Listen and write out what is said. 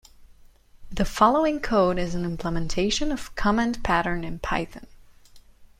The following code is an implementation of Command pattern in Python.